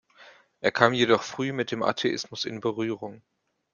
Er kam jedoch früh mit dem Atheismus in Berührung.